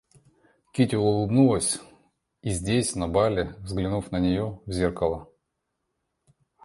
Кити улыбнулась и здесь на бале, взглянув на нее в зеркало.